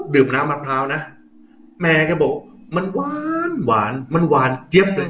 ดื่มน้ำมะพร้าวนะแม่ก็บอกมันหวานหวานมันหวานเจี๊ยบเลย